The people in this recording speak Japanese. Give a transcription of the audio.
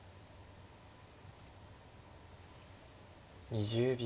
２０秒。